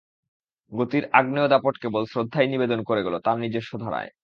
গতির আগ্নেয় দাপট কেবল শ্রদ্ধাই নিবেদন করে গেল, তার নিজস্ব ধারায়।